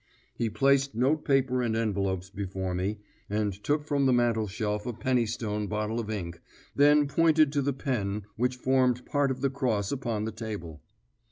He placed notepaper and envelopes before me, and took from the mantelshelf a penny stone bottle of ink, then pointed to the pen which formed part of the cross upon the table.